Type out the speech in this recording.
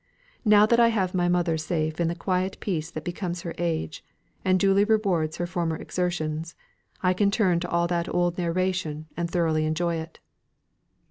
Now that I have my mother safe in the quiet peace that becomes her age, and duly rewards her former exertions, I can turn to all that old narration and thoroughly enjoy it."